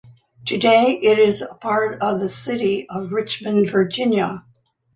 Today, it is a part of the city of Richmond, Virginia.